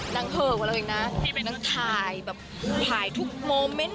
นางเผิกกว่าเราอีกนะนางถ่ายแบบถ่ายทุกโมเมนต์